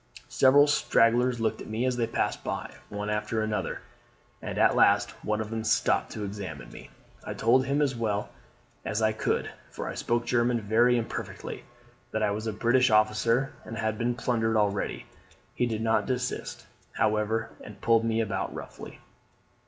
Several stragglers looked at me, as they passed by, one after another, and at last one of them stopped to examine me. I told him as well as I could, for I spoke German very imperfectly, that I was a British officer, and had been plundered already; he did not desist, however, and pulled me about roughly.